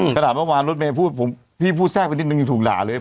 อืมขณะเมื่อวานรถเมฆพูดผมพี่พูดแทรกไปนิดหนึ่งถูกด่าเลย